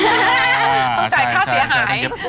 ต้องจ่ายค่าเสียหาย